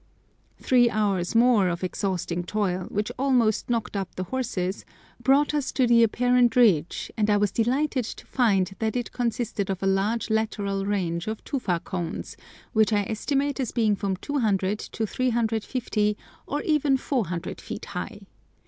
Three hours more of exhausting toil, which almost knocked up the horses, brought us to the apparent ridge, and I was delighted to find that it consisted of a lateral range of tufa cones, which I estimate as being from 200 to 350, or even 400 feet high.